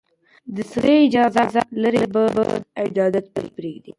سړی اجازه لري بد عادت پرېږدي.